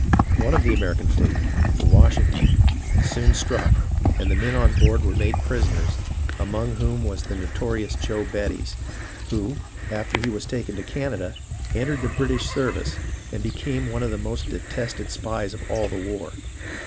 One of the American fleet (the WasJiing toii) soon struck, and the men on board were made prisoners, among whom was the notorious Joe Bettys, who, after he was taken to Canada, entered the British service, and be came one of the most detested spies of all the war.